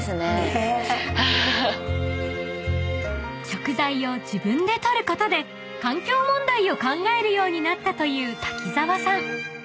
［食材を自分で取ることで環境問題を考えるようになったという滝沢さん］